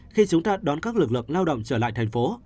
khi chúng ta đón các lực lượng lao động trở lại thành phố